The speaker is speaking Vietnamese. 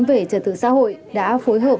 về trật tự xã hội đã phối hợp